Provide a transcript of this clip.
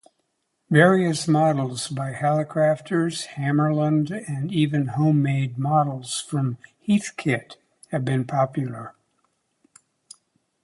Various models by Hallicrafters, Hammarlund and even home-made models from Heathkit have been popular.